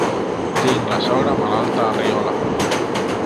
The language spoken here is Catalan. Tinc la sogra malalta a Riola.